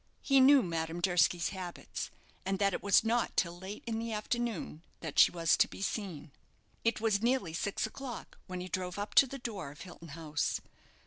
He knew Madame Durski's habits, and that it was not till late in the afternoon that she was to be seen. It was nearly six o'clock when he drove up to the door of Hilton House.